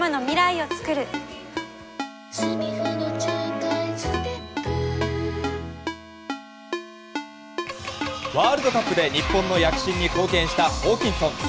ペイトクワールドカップで日本の躍進に貢献したホーキンソン。